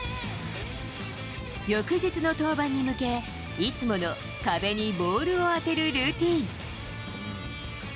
翌日の登板に向け、いつもの壁にボールを当てるルーティン。